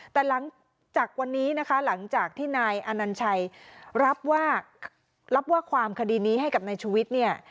แต่หลังจากวันนี้นะคะหลังจากที่นายอนัญชัยรับว่ารับว่าความคดีนี้ให้กับนายชุวิตเนี่ย